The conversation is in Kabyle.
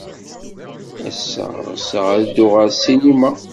Ass-a, ɣseɣ ad dduɣ ɣer ssinima.